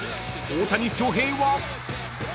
［大谷翔平は］